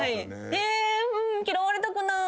えうん嫌われたくない。